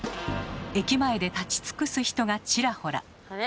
駅前で立ち尽くす人がちらほら。